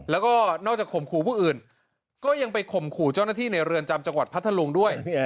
แล้วก็นอกจากข่มขู่ผู้อื่นก็ยังไปข่มขู่เจ้าหน้าที่ในเรือนจำจังหวัดพัทธลุงด้วย